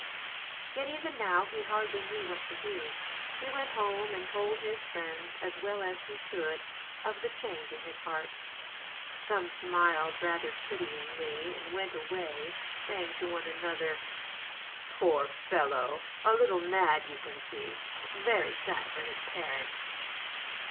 Yet even now he hardly knew what to do. He went home and told his friends as well as he could of the change in his heart. Some smiled rather pityingly and went away saying to one another: "Poor fellow; a little mad, you can see; very sad for his parents!"